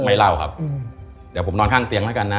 ไม่เล่าครับเดี๋ยวผมนอนข้างเตียงแล้วกันนะ